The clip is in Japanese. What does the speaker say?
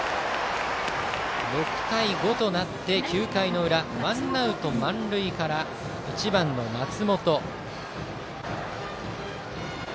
６対５となって９回の裏ワンアウト満塁から１番の松本。